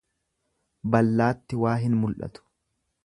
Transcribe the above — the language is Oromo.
Ballaatti waa hin mul'atu.